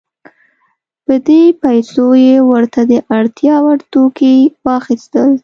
په دې پیسو یې ورته د اړتیا وړ توکي واخیستل.